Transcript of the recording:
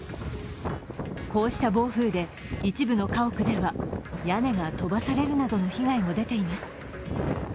こうした暴風で一部の家屋では屋根が飛ばされるなどの被害も出ています。